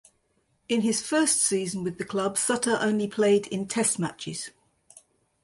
In his first season with the club Sutter only played in test matches.